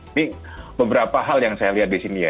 ini beberapa hal yang saya lihat di sini ya